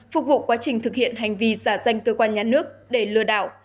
phục vụ quá trình thực hiện hành vi giả danh cơ quan nhà nước để lừa đảo